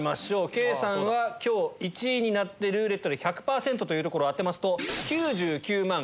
圭さんは１位になってルーレットで１００％を当てますと。